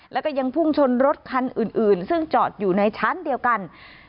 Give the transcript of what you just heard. แล้วก็ยังพุ่งชนรถคันอื่นซึ่งจอดอยู่ในชั้นเดียวกัน